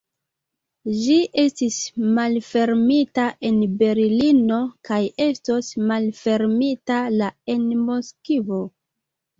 Ĝi estis malfermita en Berlino kaj estos malfermita la en Moskvo.